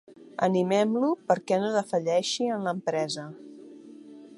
Animem-lo perquè no defalleixi en l'empresa.